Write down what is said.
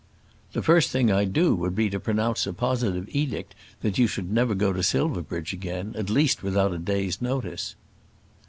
"The first thing I'd do, would be to pronounce a positive edict that you should never go to Silverbridge again; at least without a day's notice."